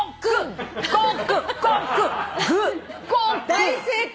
大正解。